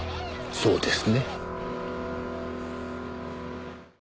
そうですね。